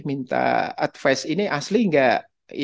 minta advice ini asli nggak